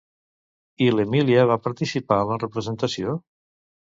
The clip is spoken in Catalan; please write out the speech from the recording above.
I l'Emília va participar en la representació?